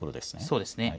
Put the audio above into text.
そうですね。